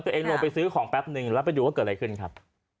ตัวเองลงไปซื้อของแป๊บนึงแล้วไปดูว่าเกิดอะไรขึ้นครับ